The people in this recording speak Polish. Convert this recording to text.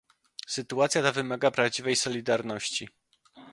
Sytuacja ta wymaga prawdziwej solidarności